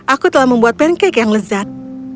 aku telah membuat pancake yang lezat